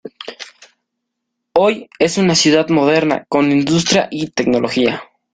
Hoy es una ciudad moderna con industria y tecnología.